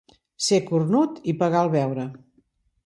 Ser cornut i pagar el beure.